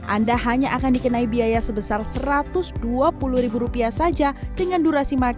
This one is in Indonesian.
anda hanya akan dikenai biaya sebesar satu ratus dua puluh ribu rupiah saja dengan durasi makan